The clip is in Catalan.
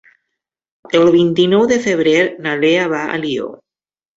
El vint-i-nou de febrer na Lea va a Alió.